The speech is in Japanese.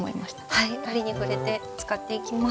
はい折に触れて使っていきます。